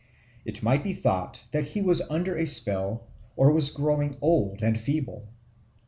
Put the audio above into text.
It might be thought that he was under a spell or was growing old and feeble.